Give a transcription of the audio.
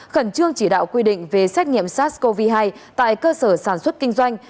khẩn trương chỉ đạo quy định về xét nghiệm sars cov hai tại cơ sở sản xuất kinh doanh